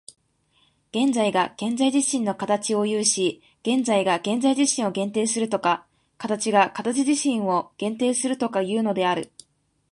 現在が現在自身の形を有し、現在が現在自身を限定するとか、形が形自身を限定するとかいうのである。